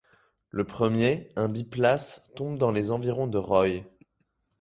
Le premier, un biplace, tombe dans les environs de Roye.